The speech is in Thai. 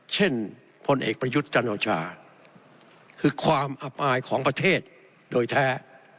เช่นผลเอกประยุทธ์จันทราคือความอาปายของประเทศโดยแท้